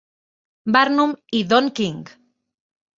Barnum i Don King.